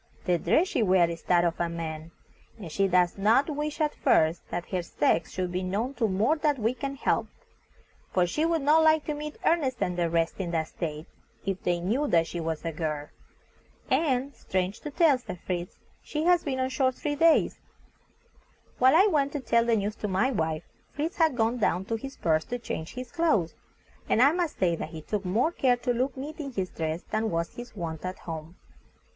The dress she wears is that of a man, and she does not wish at first that her sex should be known to more that we can help, for she would not like to meet Ernest and the rest in that state, if they knew that she was a girl. And, strange to tell," said Fritz, "she has been on shore three years." While I went to tell the news to my wife, Fritz had gone down to his berth to change his clothes, and I must say that he took more care to look neat in his dress than was his wont at home.